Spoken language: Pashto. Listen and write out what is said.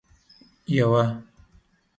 یوه